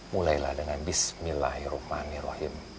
mulailah dengan bismillahirrahmanirrahim